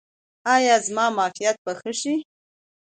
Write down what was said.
ایا زما معافیت به ښه شي؟